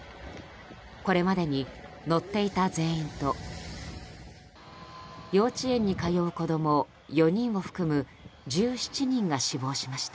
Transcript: これまでに乗っていた全員と幼稚園に通う子供４人を含む１７人が死亡しました。